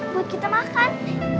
buat kita makan